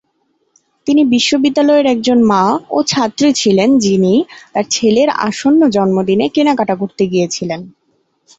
তিনি বিশ্ববিদ্যালয়ের একজন মা ও ছাত্রী ছিলেন যিনি, তার ছেলের আসন্ন জন্মদিনে কেনাকাটা করতে গিয়েছিলেন।